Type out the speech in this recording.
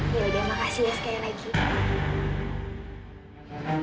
yaudah makasih ya sekali lagi